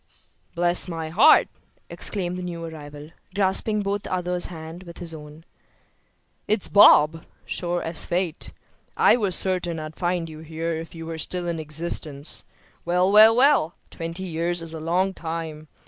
"Bless my heart!" exclaimed the new arrival, grasping both the other's hands with his own. "It's Bob, sure as fate. I was certain I'd find you here if you were still in existence. Well, well, well! twenty years is a long time.